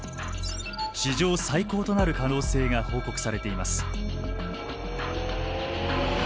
史上最高となる可能性が報告されています。